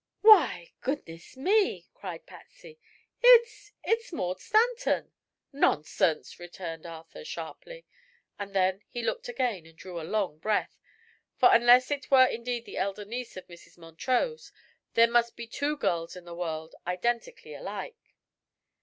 "Why goodness me!" cried Patsy. "It's it's Maud Stanton!" "Nonsense!" returned Arthur, sharply; and then he looked again and drew a long breath; for unless it were indeed the elder niece of Mrs. Montrose, there must be two girls in the world identically alike.